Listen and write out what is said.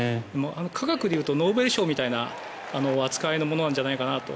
科学でいうとノーベル賞みたいな扱いのものじゃないかなと。